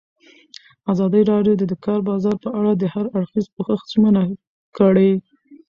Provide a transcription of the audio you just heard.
ازادي راډیو د د کار بازار په اړه د هر اړخیز پوښښ ژمنه کړې.